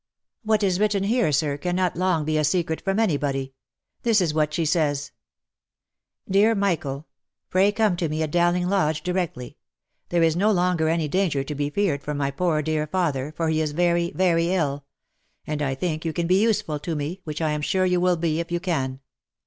" What is written here, sir, cannot long be a secret from any body. This is what she says :<" Dear Michael! <<?' Pray come to me at Dowling Lodge directly. There is no longer any danger to be feared from my poor dear father, for he is very, very ill — and I think you can be useful to me, which I am sure you will be if you can.